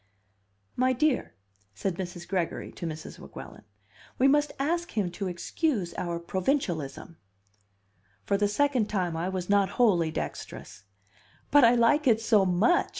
"My dear," said Mrs. Gregory to Mrs. Weguelin, "we must ask him to excuse our provincialism." For the second time I was not wholly dexterous. "But I like it so much!"